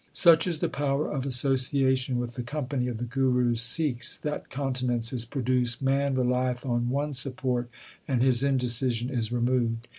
Such is the power of association with the company of the Guru s Sikhs that continence is produced, man relieth on one support, and his indecision is removed.